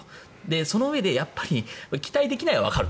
そのうえで期待できないはわかると。